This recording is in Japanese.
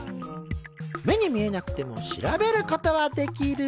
目に見えなくても調べることはできる。